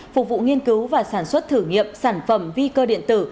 phục vụ nghiên cứu và sản xuất thử nghiệm sản phẩm vi cơ điện tử